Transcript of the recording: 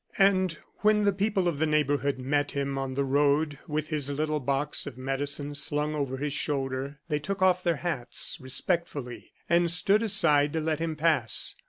And when the people of the neighborhood met him on the road with his little box of medicine slung over his shoulder, they took off their hats respectfully and stood aside to let him pass.